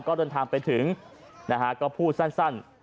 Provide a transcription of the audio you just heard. ก็เดินทางไปถึงนะฮะก็พูดสั้น